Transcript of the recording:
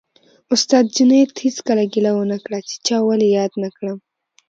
استاد جنید هېڅکله ګیله ونه کړه چې چا ولې یاد نه کړم